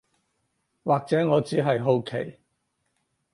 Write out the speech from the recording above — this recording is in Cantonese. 或者我只係好奇